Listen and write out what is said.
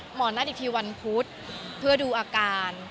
หมอนัดอีกทีวันพุธเพื่อดูอาการ